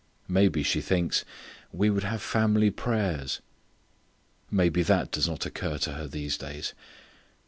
Maybe she thinks: "We would have family prayers." Maybe that does not occur to her these days.